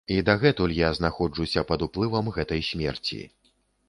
І дагэтуль я знаходжуся пад уплывам гэтай смерці.